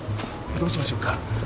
どうしましょう？